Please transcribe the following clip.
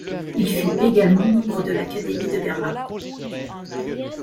Il fut également membre de l'Académie de Berlin.